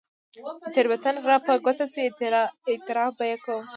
چې تېروتنه راپه ګوته شي، اعتراف به يې کوم.